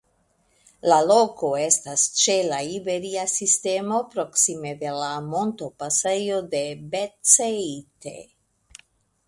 La loko estas ĉe la Iberia Sistemo proksime de la montopasejo de Beceite.